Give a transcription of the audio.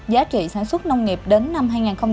giá trị sản xuất nông nghiệp đến năm hai nghìn ba mươi